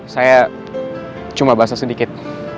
saya cuma basah sedikit